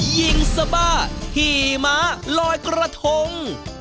ยิงซาบ้าขี่ม้าลอยกระทง